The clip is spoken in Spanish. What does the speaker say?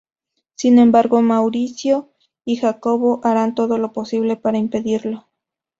Sin embargo, Maurizio y Jacobo harán todo lo posible para impedirlo.